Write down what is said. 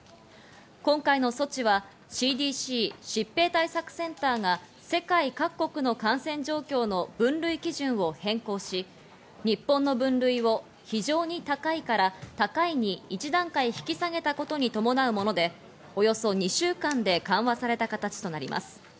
今回の措置はＣＤＣ＝疾病対策センターが世界各国の感染状況の分類基準を変更し、日本の分類を非常に高いから高いに１段階引き下げたことに伴うもので、およそ２週間で緩和された形となります。